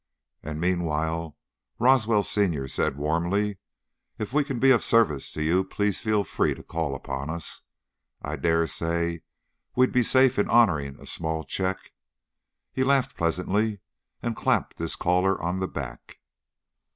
"And meanwhile," Roswell, senior, said, warmly, "if we can be of service to you, please feel free to call upon us. I dare say we'd be safe in honoring a small check." He laughed pleasantly and clapped his caller on the back.